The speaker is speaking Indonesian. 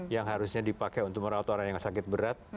yang harusnya dipakai untuk merawat orang yang sakit berat